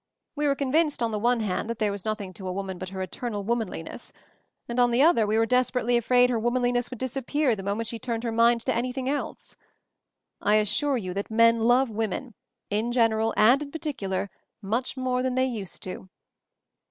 We were convinced on the one hand that there was nothing to a woman but her eternal womanliness, and on the other we were desperately afraid her wom anliness would disappear the moment she turned her mind to anything else. I assure you that men love women, in general and in particular, much more than they used to."